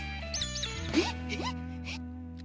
えっえっ？